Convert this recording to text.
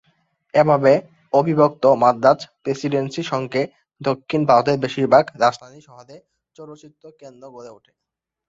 এভাবে, অবিভক্ত মাদ্রাজ প্রেসিডেন্সির সঙ্গে, দক্ষিণ ভারতের বেশির ভাগ রাজধানী শহরে চলচ্চিত্র কেন্দ্র গড়ে ওঠে।